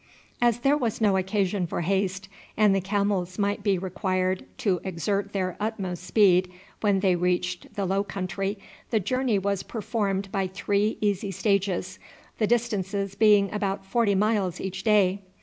As there was no occasion for haste, and the camels might be required to exert their utmost speed when they reached the low country, the journey was performed by three easy stages, the distances being about forty miles each day.